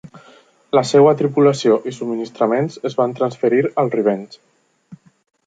La seva tripulació i subministraments es van transferir al "Revenge".